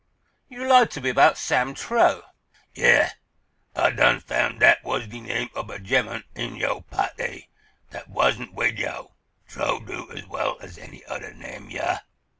"You lied to me about Sam Truax!" "Yeah! Ah done foun' dat was de name ob a gemmun in yo' pahty dat wasn't wid yo'. Truax do as well as any odder name—yah!